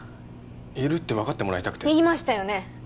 いるって分かってもらいたくて言いましたよね